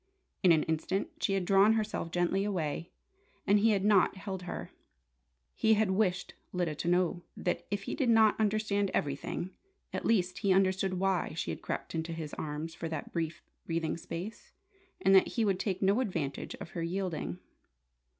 In an instant she had drawn herself gently away, and he had not held her. He had wished Lyda to know that, if he did not understand everything, at least he understood why she had crept into his arms for that brief breathing space, and that he would take no advantage of her yielding.